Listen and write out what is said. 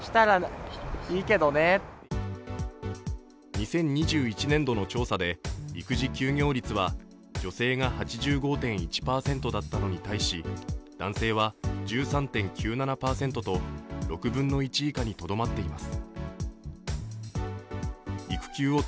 ２０２１年度の調査で育児休業率は女性が８５．１％だったのに対し男性は１３．９７％と６分の１以下にとどまっています。